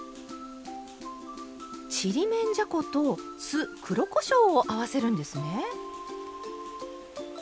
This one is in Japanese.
ちりめんじゃこと酢黒こしょうを合わせるんですね！